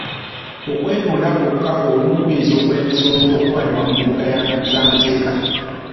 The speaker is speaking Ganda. Okwetonda kwokka olumu kuyinza okulemesa omuntu okutwalibwa mu mbuga z'amateeka.